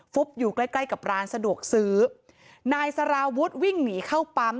อยู่ใกล้ใกล้กับร้านสะดวกซื้อนายสารวุฒิวิ่งหนีเข้าปั๊ม